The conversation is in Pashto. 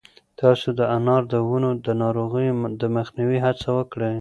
تاسو د انار د ونو د ناروغیو د مخنیوي هڅه وکړئ.